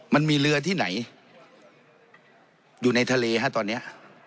มันมีเรือที่ไหนอยู่ในทะเลฮะตอนนี้